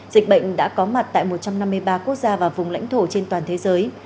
dịch bệnh đã có mặt tại một trăm năm mươi ba quốc gia và vùng lãnh thổ trên toàn thế giới